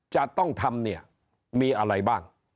จะต้องทำเนี่ยมีอะไรบ้าง